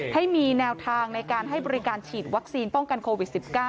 ให้มีแนวทางในการให้บริการฉีดวัคซีนป้องกันโควิด๑๙